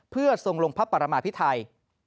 เพื่อทรงลงพระปรมาพิไทย